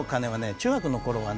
中学の頃はね